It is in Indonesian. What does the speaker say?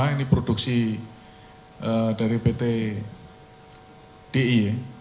ini produksi dari pt di ya